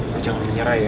lo jangan menyerah ya